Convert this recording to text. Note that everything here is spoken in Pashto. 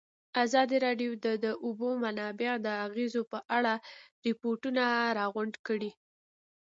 ازادي راډیو د د اوبو منابع د اغېزو په اړه ریپوټونه راغونډ کړي.